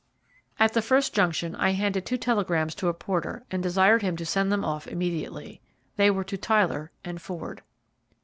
At the first junction I handed two telegrams to a porter and desired him to send them off immediately. They were to Tyler and Ford.